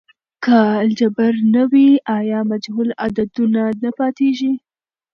که الجبر نه وي، آیا مجهول عددونه نه پاتیږي؟